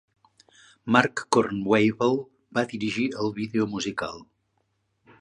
Mark Kornweibel va dirigir el vídeo musical.